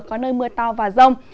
có nơi mưa to và rông